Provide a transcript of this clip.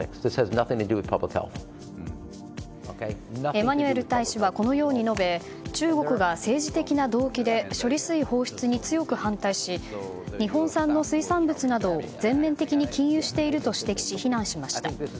エマニュエル大使はこのように述べ中国が政治的な動機で処理水放出に強く反対し日本産の水産物などを全面的に禁輸していると指摘し非難しました。